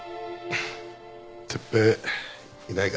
哲平いないから。